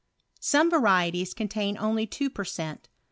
Some varieties contain only 2 per cent.